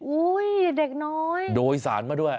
โอ้วด้วยสารมาด้วย